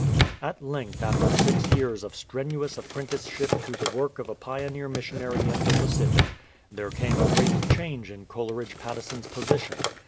At length after six years of strenuous apprenticeship to the work of a pioneer missionary in the Pacific, there came a great change in Coleridge Patteson''s position.